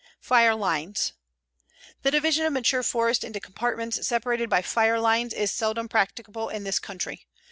FIRE LINES The division of mature forest into compartments separated by fire lines is seldom practicable in this country.